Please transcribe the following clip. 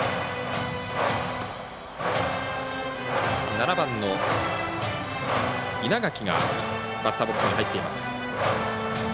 ７番の稲垣がバッターボックスに入っています。